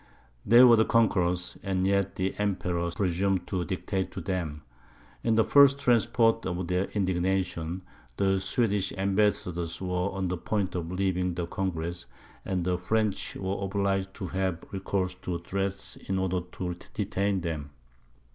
They were the conquerors; and yet the Emperor presumed to dictate to them. In the first transports of their indignation, the Swedish ambassadors were on the point of leaving the congress, and the French were obliged to have recourse to threats in order to detain them.